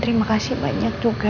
terima kasih banyak juga